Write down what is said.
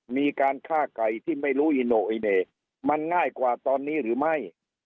มีการฆ่าไก่ที่ไม่รู้อิโนอิเน่มันง่ายกว่าตอนนี้หรือไม่